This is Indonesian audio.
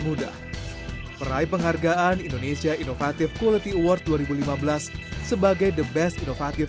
muda peraih penghargaan indonesia inovatif quality award dua ribu lima belas sebagai the best inovatif